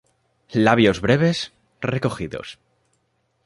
Labios breves, recogidos.